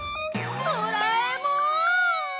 ドラえもん！